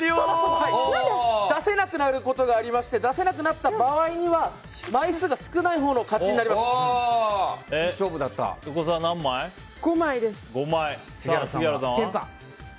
出せなくなることがありまして出せなくなった場合には枚数が少ないほうの横澤、何枚？